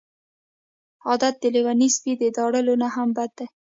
عادت د لیوني سپي د داړلو نه هم بد دی.